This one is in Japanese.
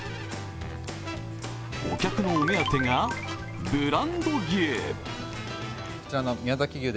お客のお目当てがブランド牛。